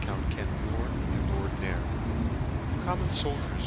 v unt Kcnmure, and lord Nairn. The common foldiers